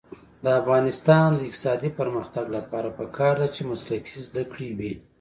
د افغانستان د اقتصادي پرمختګ لپاره پکار ده چې مسلکي زده کړې وي.